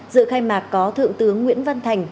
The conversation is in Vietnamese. dự khai mạc có thượng tướng nguyễn văn thành